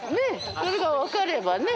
それが分かればね。